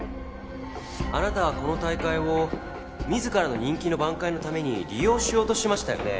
あなたはこの大会を自らの人気の挽回のために利用しようとしましたよね。